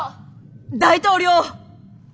大統領！